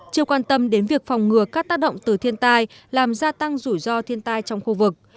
chưa quan tâm đến việc phòng ngừa các tác động từ thiên tai làm gia tăng rủi ro thiên tai trong khu vực